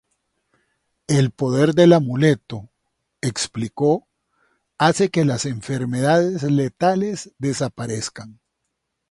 El poder del amuleto, explicó, hace que las enfermedades letales desaparezcan.